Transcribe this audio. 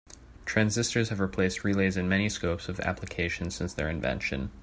Transistors have replaced relays in many scopes of application since their invention.